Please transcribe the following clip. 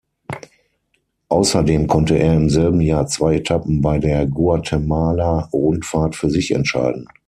Außerdem konnte er im selben Jahr zwei Etappen bei der Guatemala-Rundfahrt für sich entscheiden.